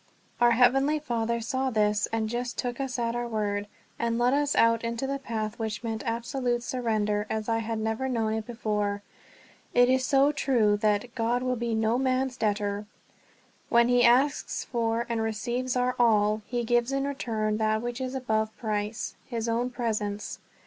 Our Heavenly Father saw this and just took us at our word, and led us out into the path which meant absolute surrender as I had never known it before. It is so true that "God will be no man's debtor." When he asks for and receives our all, he gives in return that which is above price his own presence.